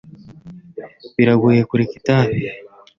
Biragoye kureka itabi.